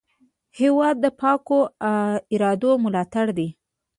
هېواد د پاکو ارادو ملاتړ دی.